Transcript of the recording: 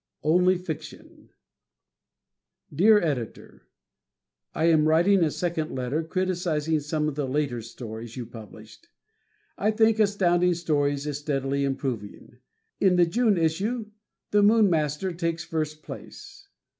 Only Fiction Dear Editor: I am writing a second letter criticizing some of the later stories you published. I think Astounding Stories is steadily improving. In the June issue, "The Moon Master" takes first place.